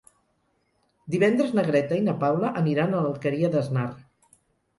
Divendres na Greta i na Paula aniran a l'Alqueria d'Asnar.